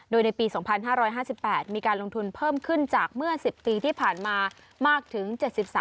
โดยในปี๒๕๕๘มีการลงทุนเพิ่มขึ้นจากเมื่อ๑๐ปีที่ผ่านมามากถึง๗๓